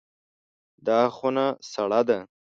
دا خونه سړه ده.